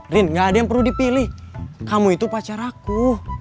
rin gak ada yang perlu dipilih kamu itu pacar aku